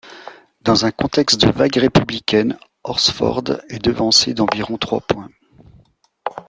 Dans un contexte de vague républicaine, Horsford est devancé d'environ trois points.